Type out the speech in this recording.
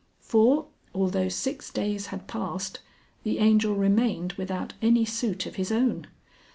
For, although six days had passed, the Angel remained without any suit of his own.